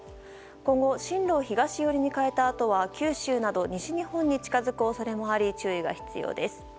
今後進路を東寄りに変えたあとは九州など西日本に近づく恐れもあり、注意が必要です。